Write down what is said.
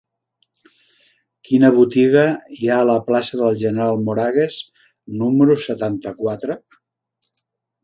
Quina botiga hi ha a la plaça del General Moragues número setanta-quatre?